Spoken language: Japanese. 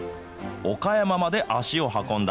岡山まで足を運んだ。